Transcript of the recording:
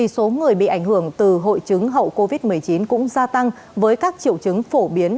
số người bị ảnh hưởng từ hội chứng hậu covid một mươi chín cũng gia tăng với các triệu chứng phổ biến